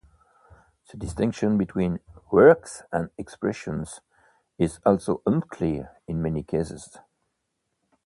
The distinction between Works and Expressions is also unclear in many cases.